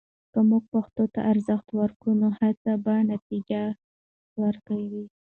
که موږ پښتو ته ارزښت ورکړو، نو هڅې به نتیجه ورکوي.